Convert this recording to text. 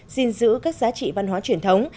gìn giữ các giá trị văn hóa truyền thống